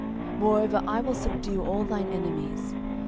Moreover I will subdue all thine enemies.